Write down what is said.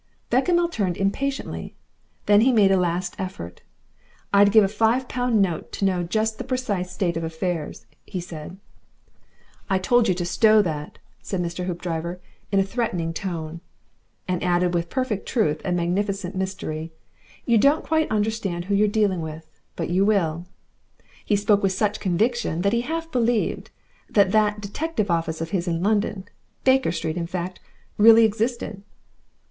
Bechamel turned impatiently. Then he made a last effort. "I'd give a five pound note to know just the precise state of affairs," he said. "I told you to stow that," said Mr. Hoopdriver, in a threatening tone. And added with perfect truth and a magnificent mystery, "You don't quite understand who you're dealing with. But you will!" He spoke with such conviction that he half believed that that defective office of his in London Baker Street, in fact really existed.